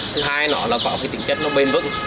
thứ hai là nó có cái tính chất nó bền vững